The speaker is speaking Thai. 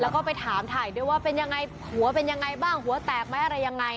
แล้วก็ไปถามถ่ายด้วยว่าเป็นยังไงหัวเป็นยังไงบ้างหัวแตกไหมอะไรยังไง